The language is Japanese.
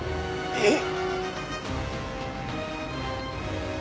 えっ！？